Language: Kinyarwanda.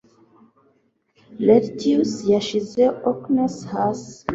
Lartius yashyize Ocnus hasi